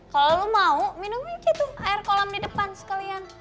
kalau lo mau minum mungkin tuh air kolam di depan sekalian